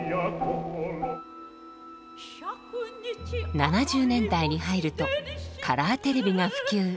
７０年代に入るとカラーテレビが普及。